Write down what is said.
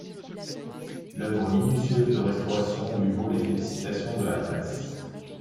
L'œuvre minutieuse de restauration lui vaut les félicitations de la presse.